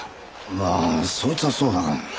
まあそいつはそうだが。